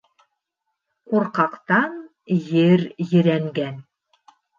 Ҡурҡаҡтан ер ерәнгән.